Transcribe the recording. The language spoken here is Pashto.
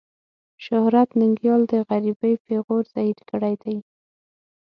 شهرت ننګيال د غريبۍ پېغور زهير کړی دی.